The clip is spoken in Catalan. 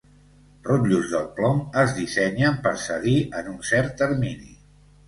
Rotllos del plom es dissenyen per cedir en un cert termini.